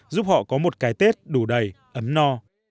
giúp họ có một cái tết đủ đầy ấm no